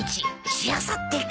しあさってか。